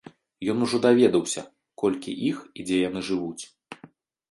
Ён ужо даведаўся, колькі іх і дзе яны жывуць.